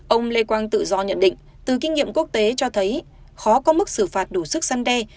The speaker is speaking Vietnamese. ông lê quang tự do nhận định từ kinh nghiệm quốc tế cho thấy khó có mức xử phạt đủ sức săn đe